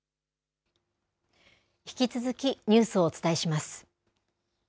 引き続きニュースをお伝えします。